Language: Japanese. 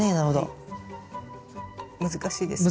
難しいですか？